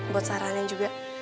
buat saranin juga